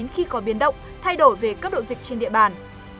khi có biến động thay đổi về cấp độ dịch trên địa bàn